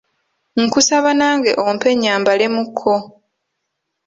Nkusaba nange ompe nnyambalemukko.